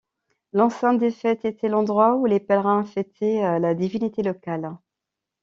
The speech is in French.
L'enceinte des fêtes était l'endroit où les pèlerins fêtaient la divinité locale.